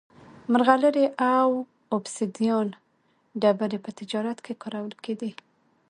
مرغلرې او اوبسیدیان ډبرې په تجارت کې کارول کېدې